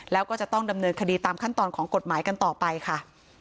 แล้วก็จะต้องดำเนินคดีตามขั้นตอนของกฎหมายกันต่อไปค่ะ